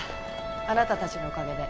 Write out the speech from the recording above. あなたたちのおかげで。